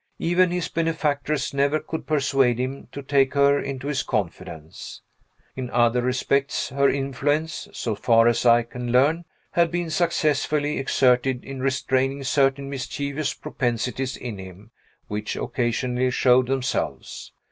Even his benefactress never could persuade him to take her into his confidence. In other respects, her influence (so far as I can learn) had been successfully exerted in restraining certain mischievous propensities in him, which occasionally showed themselves.